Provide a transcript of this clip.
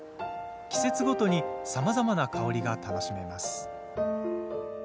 季節ごとに、さまざまな香りが楽しめます。